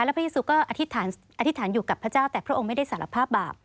แล้วพระยิสุก็อธิษฐานอธิษฐานอยู่กับพระเจ้าแต่พระองค์ไม่ได้สารภาพบาป